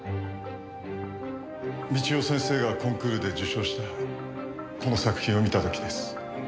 美千代先生がコンクールで受賞したこの作品を見た時です。